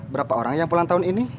berapa orang yang pulang tahun ini